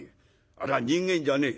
あれは人間じゃねえ。